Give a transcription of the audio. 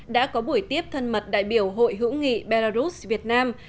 đã có buổi tiếp thân mật đại biểu hội hữu nghị belarus việt nam